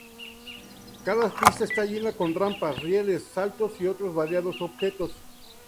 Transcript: Cada pista está llena con rampas, rieles, saltos y otros variados objetos.